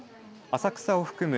浅草を含む